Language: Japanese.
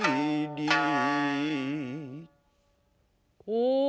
お！